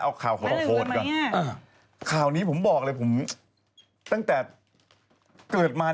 เอาข่าวโหดก่อนนะครับข่าวนี้ผมบอกเลยตั้งแต่เกิดมา